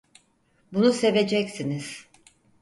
Bunu seveceksiniz.